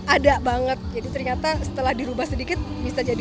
ada banget jadi ternyata setelah dirubah sedikit bisa jadi